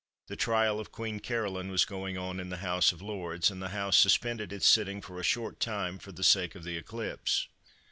The trial of Queen Caroline was going on in the House of Lords, and the House suspended its sitting for a short time for the sake of the eclipse.